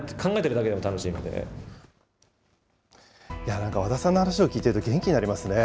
なんか和田さんの話を聞いていると、元気になりますね。